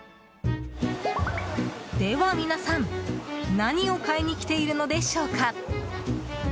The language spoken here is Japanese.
では、皆さん何を買いに来ているのでしょうか。